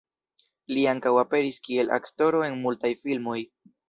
Li ankaŭ aperis kiel aktoro en multaj filmoj.